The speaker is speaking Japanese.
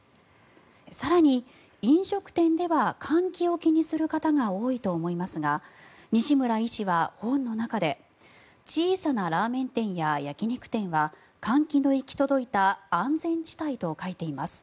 更に、飲食店では換気を気にする方が多いと思いますが西村医師は本の中で小さなラーメン店や焼き肉店は換気の行き届いた安全地帯と書いています。